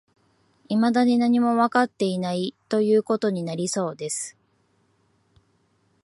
未だに何もわかっていない、という事になりそうです